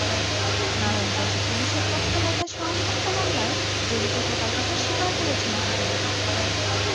নারায়ণগঞ্জে পুলিশের তথ্যদাতা শাওন হত্যা মামলায় জড়িত থাকার কথা স্বীকার করেছেন তুহিন।